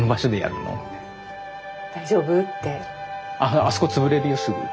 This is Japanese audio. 「あそこ潰れるよすぐ」って。